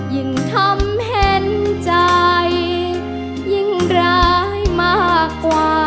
ยิ่งทำเห็นใจยิ่งร้ายมากกว่า